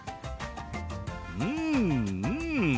うんうん！